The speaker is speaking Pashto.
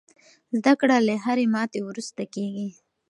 زده کړه له هرې ماتې وروسته کېږي.